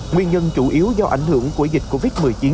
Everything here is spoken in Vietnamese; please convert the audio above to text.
nguyên nhân chủ yếu do ảnh hưởng của dịch covid một mươi chín